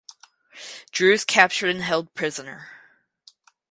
Drew is captured and held prisoner.